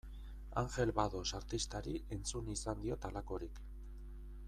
Angel Bados artistari entzun izan diot halakorik.